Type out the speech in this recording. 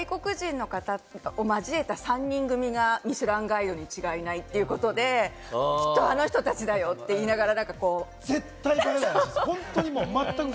一時期、噂で外国人の方を交えた３人組が『ミシュランガイド』に違いない！っていうことで、きっとあの人たちだよ！って言いながら。